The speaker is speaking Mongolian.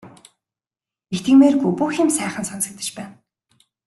Итгэмээргүй бүх юм сайхан сонсогдож байна.